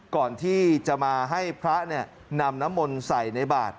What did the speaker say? ก่อนที่จะมาให้พระนำน้ำมนต์ใส่ในบาท